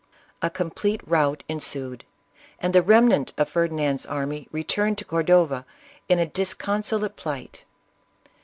A com plete rout ensued, and the remnant of Ferdinand's army returned to Cordova in a disconsolate plight.